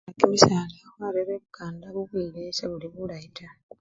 Khukhala kimisala khubela ebukanda bubwile sebuli bulayi taa.